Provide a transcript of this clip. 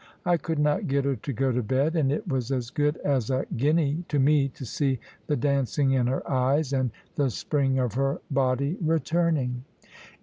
I could not get her to go to bed; and it was as good as a guinea to me to see the dancing in her eyes, and the spring of her body returning.